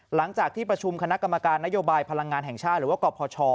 หลังจากที่ประชุมคณะกรรมการนโยบายพลังงานแห่งชาติหรือว่ากพช